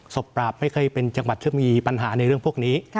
ปราบไม่เคยเป็นจังหวัดที่มีปัญหาในเรื่องพวกนี้